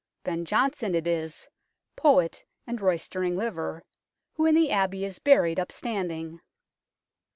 Ben Jonson it is, poet and roystering liver, who in the Abbey is buried upstanding.